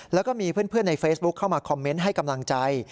แล้วก็มีเพื่อนในเฟซบุ๊คเข้ามาคอมเมนต์ให้กำลังใจ